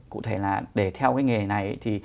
cụ thể là để theo cái nghề này thì